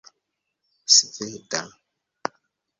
sveda